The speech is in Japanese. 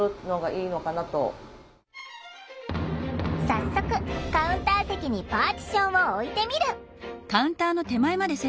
早速カウンター席にパーティションを置いてみる。